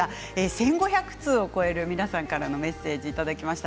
１５００通を超える皆さんからのメッセージいただきました。